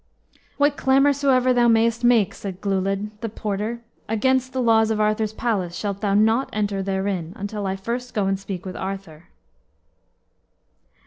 "What clamor soever thou mayest make," said Glewlwyd, the porter, "against the laws of Arthur's palace, shalt thou not enter therein, until I first go and speak with Arthur."